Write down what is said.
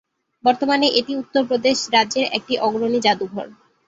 বর্তমানে এটি উত্তরপ্রদেশ রাজ্যের একটি অগ্রণী জাদুঘর।